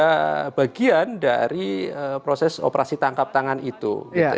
ya bagian dari proses operasi tangkap tangan itu